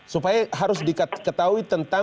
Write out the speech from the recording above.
supaya harus diketahui tentang